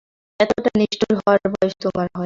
এতটা নিষ্ঠুর হওয়ার বয়স তোমার হয়নি।